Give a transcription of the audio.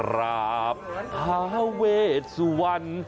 กราบทาเวชสุวรรณ